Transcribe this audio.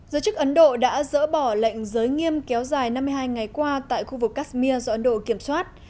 giới chức ấn độ đã dỡ bỏ lệnh giới nghiêm kéo dài năm mươi hai ngày qua tại khu vực kashmir do ấn độ kiểm soát